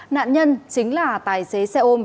nạn nhân chính là tài xế xe ôm